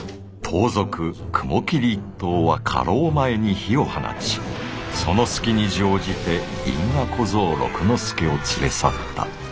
盗賊雲霧一党は仮牢前に火を放ちその隙に乗じて因果小僧六之助を連れ去った。